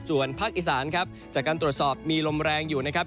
ส่วนภาคอีสานครับจากการตรวจสอบมีลมแรงอยู่นะครับ